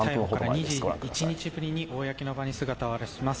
２１日ぶりの公の場に姿を現します。